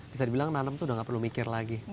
bisa dibilang nanam tuh udah gak perlu mikir lagi